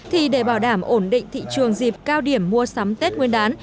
thì để bảo đảm ổn định thị trường dịp cao điểm mua sắm tết nguyên đán